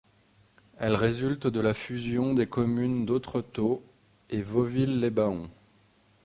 Elle résulte de la fusion des communes d'Autretot et Veauville-lès-Baons.